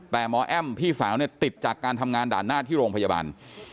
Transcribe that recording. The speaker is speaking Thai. แต่หมอแอ้มพี่สาวเนี่ยติดจากการทำงานด่านหน้าที่โรงพยาบาล